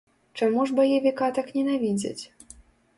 Чаму ж баевіка так ненавідзяць?